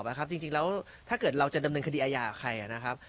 จะมาประกอบนะครับจริงแล้วถ้าเกิดเราจะดำเนินคดีอาญากับใครนะครับ